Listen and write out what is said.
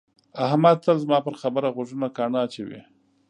احمد تل زما پر خبره غوږونه ګاڼه اچوي.